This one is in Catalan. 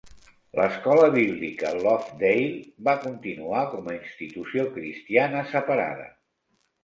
L'Escola Bíblica Lovedale va continuar com a institució cristiana separada.